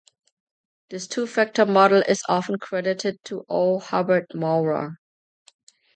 This "two-factor" model is often credited to O. Hobart Mowrer.